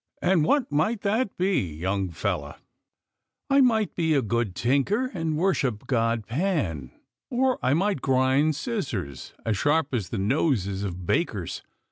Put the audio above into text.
" And what might that be, young fellow ?"" I might be a good tinker, and worship god Pan, or I might grind scissors as sharp as the noses of bakers.